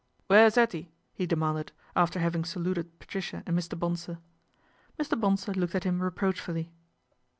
1 Where's 'Ettie ?" he demanded, after having saluted Patricia and Mr. Bonsor. Mr Bonsor looked at him reproachfully.